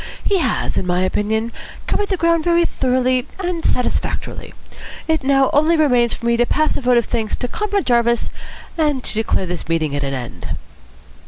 He has, in my opinion, covered the ground very thoroughly and satisfactorily. It now only remains for me to pass a vote of thanks to Comrade Jarvis and to declare this meeting at an end."